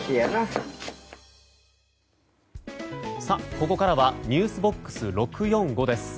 ここからはｎｅｗｓＢＯＸ６４５です。